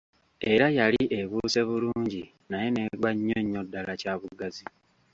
Era yali ebuuse bulungi naye n'egwa nnyo nnyo ddala kyabugazi.